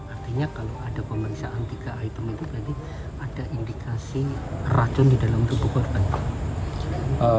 artinya kalau ada pemeriksaan tiga item itu berarti ada indikasi racun di dalam tubuh korban